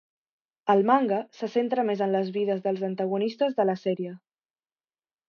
El manga se centra més en les vides dels antagonistes de la sèrie.